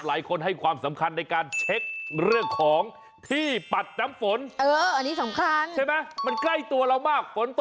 หลายคนให้ความสำคัญในการเช็คเรื่องที่ปัดน้ำฝน